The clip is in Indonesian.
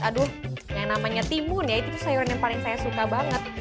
aduh yang namanya timun ya itu sayuran yang paling saya suka banget